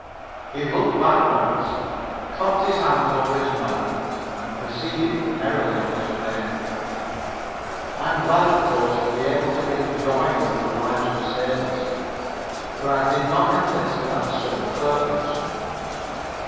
He looked back once, clapped his hands over his mouth and proceeded merrily on his way. I am glad of course to be able to bring joy into the lives of sailors, but I did not enlist for that sole purpose.